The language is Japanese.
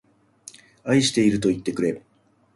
愛しているといってくれ